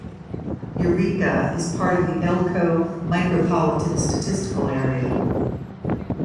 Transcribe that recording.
Eureka is part of the Elko Micropolitan Statistical Area.